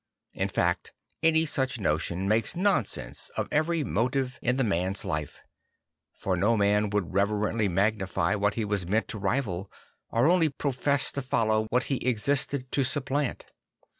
In fact any such notion makes nonsense of every motive in the man's life; for no man would reverently magnify what he was meant to rival, or only profess to follow what he existed to supplant.